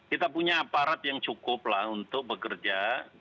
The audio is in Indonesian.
kita punya aparat yang cukup lah untuk bekerja